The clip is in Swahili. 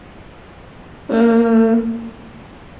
watu wanaojidunga dawa za kulevya wanaweza kupata ugonjwa wa ini